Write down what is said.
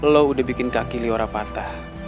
lo udah bikin kaki liora patah